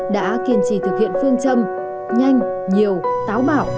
đã kiên trì thực hiện phương châm nhanh nhiều táo bảo